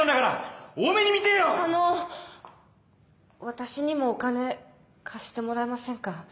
私にもお金貸してもらえませんか？